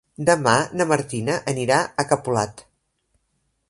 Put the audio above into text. Demà na Martina anirà a Capolat.